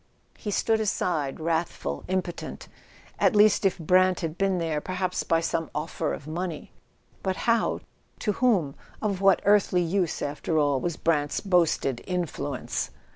He stood aside, wrathful, impotent. At least if Brant had been there, perhaps by some offer of money—but how, to whom? Of what earthly use, after all, was Brant's boasted "influence"?